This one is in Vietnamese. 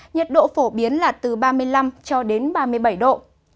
nhiệt độ phổ biến là từ ba mươi năm cho đến ba mươi bảy độ